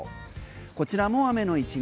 こちらも雨の１日。